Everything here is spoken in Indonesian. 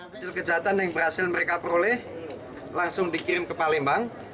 hasil kejahatan yang berhasil mereka peroleh langsung dikirim ke palembang